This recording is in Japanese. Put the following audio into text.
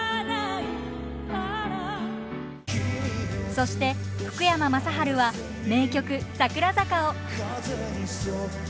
そして福山雅治は名曲「桜坂」を。